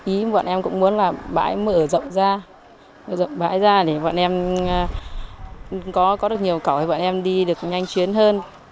ý bọn em cũng muốn là bãi mở rộng ra mở rộng bãi ra để bọn em có được nhiều cỏ thì bọn em đi được nhanh chuyến hơn